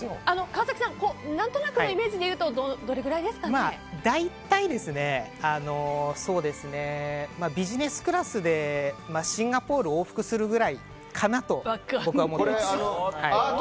川崎さん何となくのイメージでいうと大体、ビジネスクラスでシンガポール往復するぐらいかと僕は思ってます。